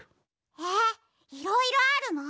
えっいろいろあるの？